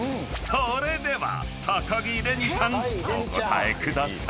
［それでは高城れにさんお答えください］